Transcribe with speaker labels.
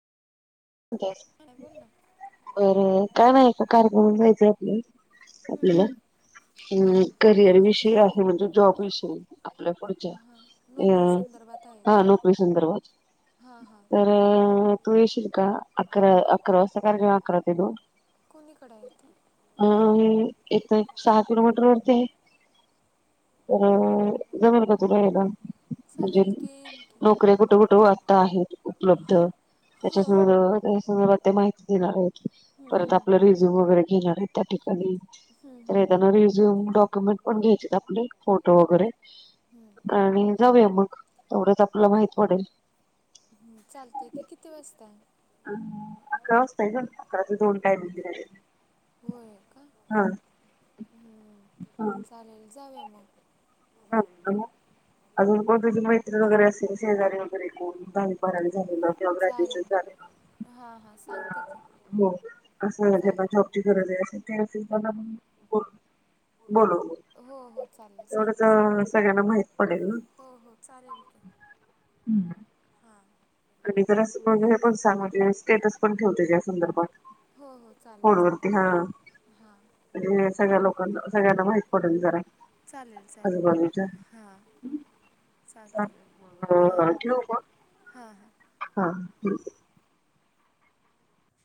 Speaker 1: Gas
Speaker 2: नाही बोल ना
Speaker 1: तर काय नाय एका कार्यक्रमाला जायचय आपल्या
Speaker 2: हम्म
Speaker 1: आपल्याला
Speaker 2: हम्म हां
Speaker 1: हम्म करिअर विषयी आहे म्हणजे जॉब विषयी आपल्या पुढच्या
Speaker 2: हां
Speaker 1: या
Speaker 2: नोकरी
Speaker 1: हा नोकरी संदर्भात
Speaker 2: हा हा
Speaker 1: अ तू येशील का अकरा अकरा वाजता कार्यक्रमय अकरा ते दोन
Speaker 2: कुणीकडं हाय ते
Speaker 1: अ हे एक त एक सहा किलोमीटर वरती हाय तर जमेल का तुला यायला? म्हणजे
Speaker 2: चालेल की येईन की
Speaker 1: नोकऱ्या कुठ कुठ वाटता आहेत उपलब्ध त्याच्या
Speaker 2: हां
Speaker 1: संदर्भात अस जरा ते माहिती देणार आहेत
Speaker 2: हम्म
Speaker 1: परत
Speaker 2: हम्म
Speaker 1: आपला रिझ्युम वगैरे घेणार येत त्या ठिकाणी
Speaker 2: हम्म
Speaker 1: तर
Speaker 2: हम्म
Speaker 1: ये त्यांना रिझ्युम डॉक्युमेंट पण घ्यायचेत आपले फोटो वगैरे
Speaker 2: हम्म
Speaker 1: आणि जाऊया मग तेवढंच आपल्याला माहित पडेल.
Speaker 2: म चालतंय की किती वाजता
Speaker 1: अ अकरा वाजता हाय ग अकरा ते दोन टाईमिंग दिलाय त्यांनी -
Speaker 2: होय का
Speaker 1: हां हां
Speaker 2: चालेलं जावूया म
Speaker 1: [unintelligible] अजून कोण तुझी मैत्रीण वगैरे असेल शेजारी वगैरे कोण दहावी बारावी
Speaker 2: चालेल
Speaker 1: झालेलं
Speaker 2: हां हां सांगते की
Speaker 1: [unintelligible] हो अस ज्यांना
Speaker 2: चालते
Speaker 1: जॉबची गरज हाय असे ते असेल त्यांना पण बोल बोलावं बोल
Speaker 2: हो हो चालेल सांगते सांगते
Speaker 1: माहित पडेल ना
Speaker 2: हो हो चालेल की,
Speaker 1: हम्म
Speaker 2: हा
Speaker 1: आणि जरासं मग हे पण सांग म्हणजे स्टेटस पण ठेव त्याज्या या संदर्भात
Speaker 2: हो हो चालेल
Speaker 1: फोनवरती हा
Speaker 2: चालेल हां
Speaker 1: म्हणजे सगळ्या लोकांना सगळ्यांना माहित पडल जरा
Speaker 2: चालेल चालेल
Speaker 1: आजूबाजूच्या.
Speaker 2: हां चालतय
Speaker 1: चालेल मग.
Speaker 2: हां
Speaker 1: हो ठेवू मग
Speaker 2: हा हा
Speaker 1: हा [unintelligible]